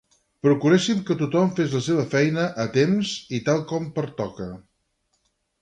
Procuréssim que tothom fes la seva feina a temps i tal com pertoca.